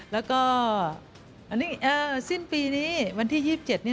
แล้วก็สิ้นปีนี้วันที่๒๗นี่